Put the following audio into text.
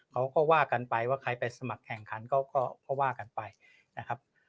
เขาก็ว่ากันไปว่าใครไปสมัครแข่งขันก็เพราะว่ากันไปนะครับ